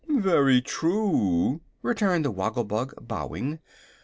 "Very true," returned the Woggle Bug, bowing.